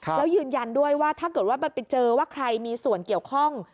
แล้วยืนยันด้วยว่าถ้าเกิดว่าไปเจอว่าใครมีส่วนเกี่ยวข้อง